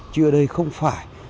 chứ ở đây không phải